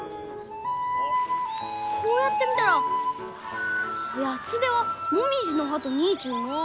こうやって見たらヤツデはモミジの葉と似ちゅうのう！